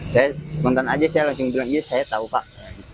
saya nonton aja saya langsung bilang ya saya tahu pak